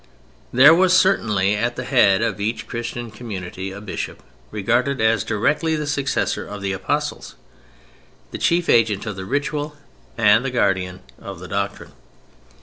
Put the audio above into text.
There was certainly at the head of each Christian community a bishop: regarded as directly the successor of the Apostles, the chief agent of the ritual and the guardian of doctrine.